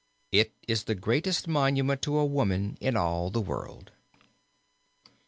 It is the greatest monument to a woman in all the world.